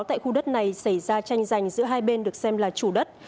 tại khu đất này xảy ra tranh giành giữa hai bên được xem là chủ đất